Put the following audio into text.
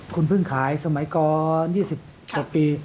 คุณเพิ่งขายสมัยก่อน๒๐กว่าปี